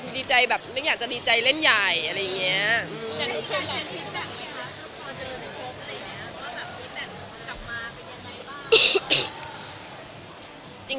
มีทีมแบบนี้เหรอครับว่าพอเดินพบที่แบบกลับมาเป็นยังไงบ้าง